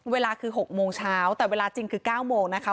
เวลาคือ๖โมงเช้าแต่เวลาจริงคือ๙โมงนะคะ